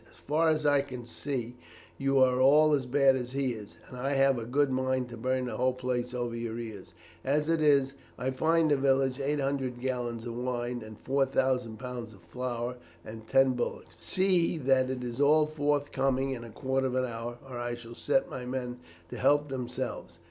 As far as I can see you are all as bad as he is, and I have a good mind to burn the whole place over your ears. As it is, I fine the village 800 gallons of wine, and 4000 pounds of flour, and 10 bullocks. See that it is all forthcoming in a quarter of an hour, or I shall set my men to help themselves.